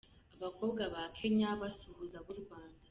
Abakobwa ba Kenya basuhuza ab'u Rwanda.